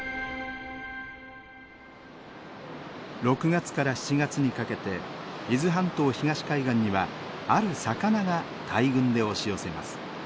６月から７月にかけて伊豆半島東海岸にはある魚が大群で押し寄せます。